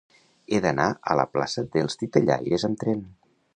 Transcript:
He d'anar a la plaça dels Titellaires amb tren.